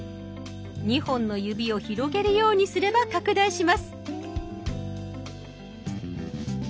２本の指を広げるようにすれば拡大します。